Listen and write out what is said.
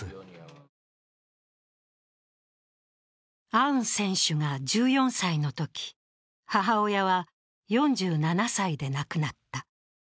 アウン選手が１４歳のとき、母親は４７歳で亡くなった。